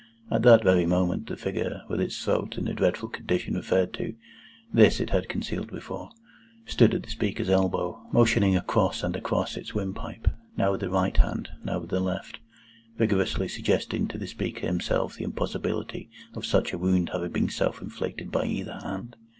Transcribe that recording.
At that very moment, the figure, with its throat in the dreadful condition referred to (this it had concealed before), stood at the speaker's elbow, motioning across and across its windpipe, now with the right hand, now with the left, vigorously suggesting to the speaker himself the impossibility of such a wound having been self inflicted by either hand.